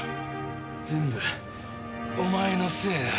全部お前のせいだ。